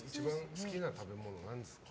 好きな食べ物って何ですか？